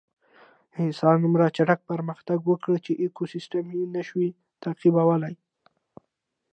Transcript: انسان دومره چټک پرمختګ وکړ چې ایکوسېسټم یې نهشوی تعقیبولی.